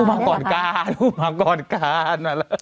มาก่อนการมาก่อนการอะไร